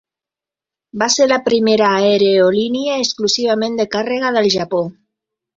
Va ser la primera aerolínia exclusivament de càrrega del Japó.